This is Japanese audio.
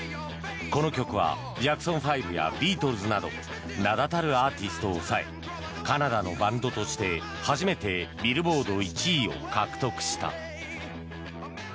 この曲はジャクソン５やビートルズなど名だたるアーティストを抑えカナダのバンドとして初めてビルボード１位を獲得した。